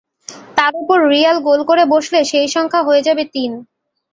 তার ওপর Real goal করে বসলে সেই সংখ্যা হয়ে যাবে তিন।